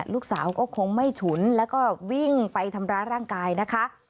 ลูกสาวก็คงไม่ฉุนแล้วก็วิ่งไปทำร้ายร่างกายนะคะ